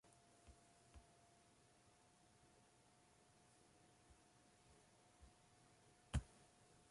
Do kinst it net hawwe dat heit en mem mear fan my hâlde.